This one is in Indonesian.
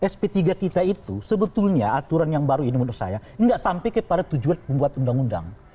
sp tiga kita itu sebetulnya aturan yang baru ini menurut saya tidak sampai kepada tujuan pembuat undang undang